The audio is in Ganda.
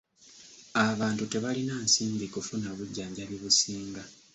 Abantu tebalina nsimbi kufuna bujjanjabi businga.